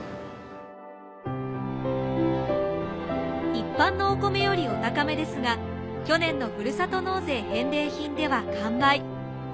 一般のお米よりお高めですが去年のふるさと納税返礼品では完売。